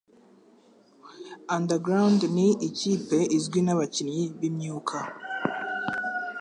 underground ni ikipe igizwe n'abakinnyi bimyuka